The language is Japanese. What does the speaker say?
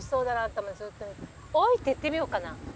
「おーい」って言ってみようかな。